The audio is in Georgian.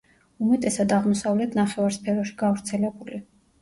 უმეტესად აღმოსავლეთ ნახევარსფეროში გავრცელებული.